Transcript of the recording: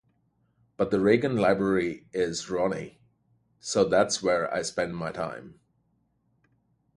But the Reagan library is Ronnie, so that's where I spend my time.